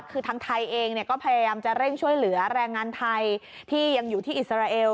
คือทางไทยเองก็พยายามจะเร่งช่วยเหลือแรงงานไทยที่ยังอยู่ที่อิสราเอล